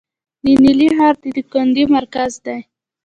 د نیلي ښار د دایکنډي مرکز دی